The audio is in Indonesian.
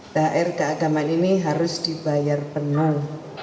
thr keagamaan ini harus dibayar penuh